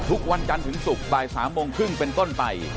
ทุกวันจันทร์ถึงศุกร์บ่าย๓โมงครึ่งเป็นต้นไป